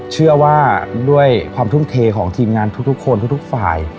เชื่อว่าด้วยความทุ่มเทของทีมงานทุกคนทุกฝ่าย